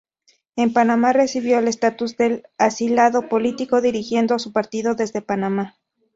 En Panamá recibió el estatus de asilado político, dirigiendo a su partido desde Panamá.